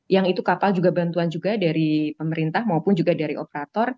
yang itu kapal juga bantuan juga dari pemerintah maupun juga dari operator